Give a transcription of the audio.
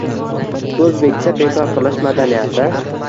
O’zbekcha “bekor qilish madanyati”